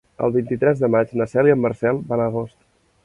El vint-i-tres de maig na Cel i en Marcel van a Agost.